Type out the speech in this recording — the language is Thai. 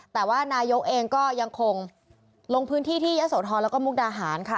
แต่ว่านายกเองก็ยังคงลงพื้นที่ที่ยะโสธรแล้วก็มุกดาหารค่ะ